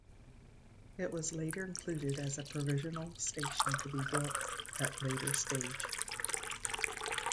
It was later included as a provisional station to be built at later stage.